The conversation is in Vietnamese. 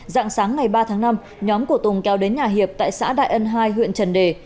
dạng sáng ngày ba tháng năm nhóm của tùng kéo đến nhà hiệp tại xã đại ân hai huyện trần đề